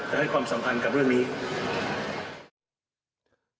ให้ความสำคัญกับเรื่องนี้